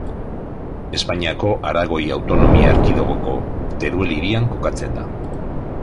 Espainiako Aragoi autonomia erkidegoko Teruel hirian kokatzen da.